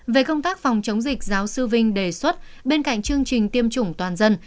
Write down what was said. về công tác phòng chống dịch giáo sư vinh đề xuất bên cạnh chương trình tiêm chủng toàn dân